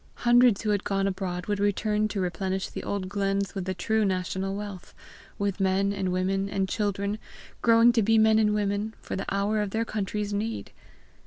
Hundreds who had gone abroad would return to replenish the old glens with the true national wealth with men and women, and children growing to be men and women, for the hour of their country's need!